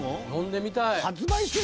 飲んでみたい！